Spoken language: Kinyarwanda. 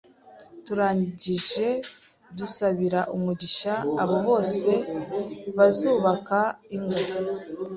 Turangije dusabira Umugisha abo bose bazubaka ingo.